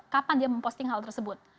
kapan dia memposting hal tersebut